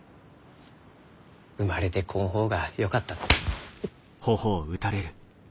生まれてこん方がよかった。